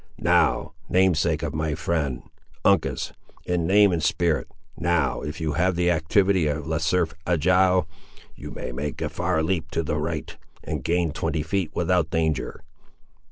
Now, namesake of my friend; Uncas, in name and spirit! now, if you have the activity of Le Cerf Agile, you may make a far leap to the right, and gain twenty feet, without danger.